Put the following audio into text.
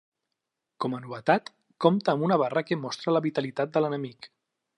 Com a novetat, compte amb una barra que mostra la vitalitat de l'enemic.